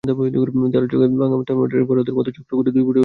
তাঁর চোখে ভাঙা থার্মোমিটারের পারদের মতো চকচক করে দুই ফোঁটা অশ্রু।